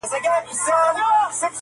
اوس مو خاندي غلیمان پر شړۍ ورو ورو!!